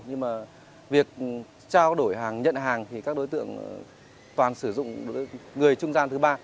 nhưng mà việc trao đổi hàng nhận hàng thì các đối tượng toàn sử dụng người trung gian thứ ba